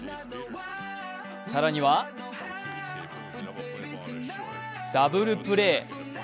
更にはダブルプレー。